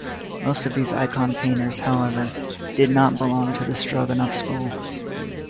Most of these icon painters, however, did not belong to the Stroganov School.